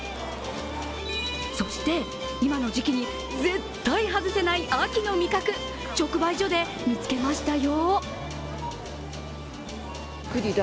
そして今の時期に絶対外せない秋の味覚、直売所で見つけましたよ。